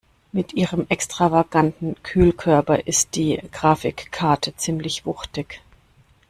Mit ihrem extravaganten Kühlkörper ist die Grafikkarte ziemlich wuchtig.